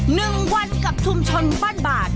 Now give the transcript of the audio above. หนึ่งวันกับชุมชนบ้านบาด